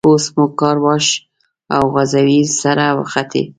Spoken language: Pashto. اوس مو کار واښ او غوزی سره وختی.